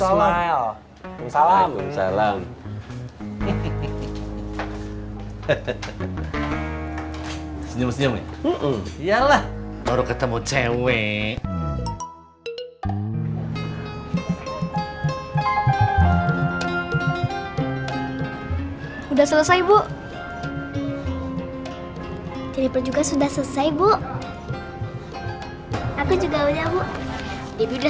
senyum senyum ya iyalah baru ketemu cewek udah selesai bu juga sudah selesai bu aku juga udah